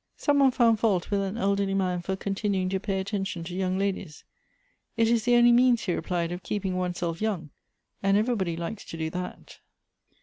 " Some one found fault with an elderly man for continu ing to pay attention to young ladies. 'It is the only means,' he replied, 'of keeping one's self young, and every body likes to do that.'